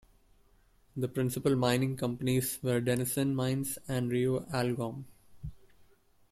The principal mining companies were Denison Mines and Rio Algom.